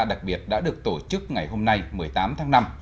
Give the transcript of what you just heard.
đặc biệt đã được tổ chức ngày hôm nay một mươi tám tháng năm